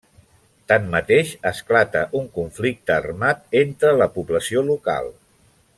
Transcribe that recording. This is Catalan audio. Tanmateix, esclata un conflicte armat entre la població local.